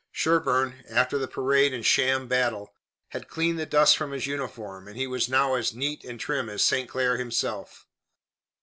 Sherburne, after the parade and sham battle, had cleaned the dust from his uniform and he was now as neat and trim as St. Clair himself.